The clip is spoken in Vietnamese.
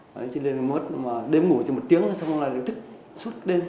đấy cho nên mất đêm ngủ thì một tiếng rồi xong rồi lại thức suốt đêm